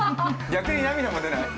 逆に涙も出ない？